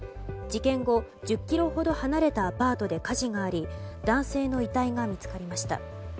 事件後、１０ｋｍほど離れたアパートで火事があり男性の遺体が見つかりました。